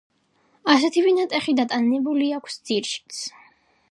ასეთივე ნატეხი დატანებული აქვს ძირშიც.